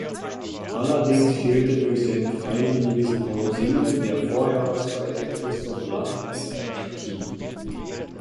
Allerdings fehlte durch sein freiwilliges Pausieren der Vorjahreszweite Christoph Langen mit seinem Team.